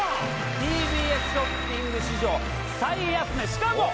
ＴＢＳショッピング史上最安値しかも！